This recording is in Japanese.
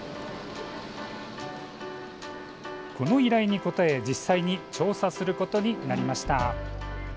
この依頼に応え、実際に調査することになりました。